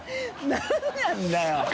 何なんだよ！